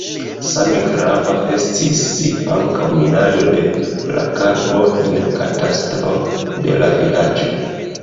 Same grava estis ankaŭ minado de la karbo en katastro de la vilaĝo.